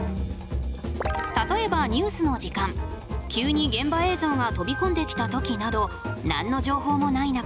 例えばニュースの時間急に現場映像が飛び込んできたときなど何の情報もない中